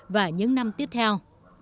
và những năm tiếp theo